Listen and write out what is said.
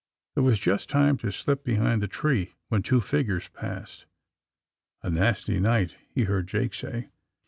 There was just time to slip behind the tree when two figures passed. A nasty night," he heard Jake say.